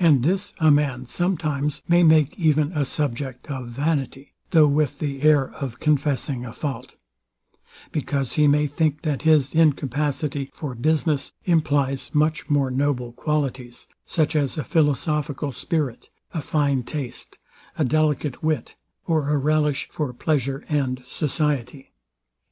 And this a man sometimes may make even a subject of vanity; though with the air of confessing a fault: Because he may think, that his incapacity for business implies much more noble qualities; such as a philosophical spirit, a fine taste, a delicate wit, or a relish for pleasure and society.